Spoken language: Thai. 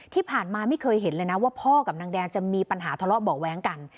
ที่ผ่านมาไม่เคยเห็นเลยนะว่าพ่อกับนางแดงจะมีปัญหาทะเลาะเบาะแว้งกัน